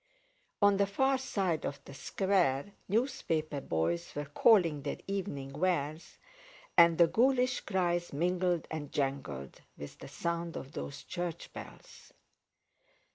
On the far side of the Square newspaper boys were calling their evening wares, and the ghoulish cries mingled and jangled with the sound of those church bells.